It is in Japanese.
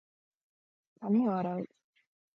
髪を洗う。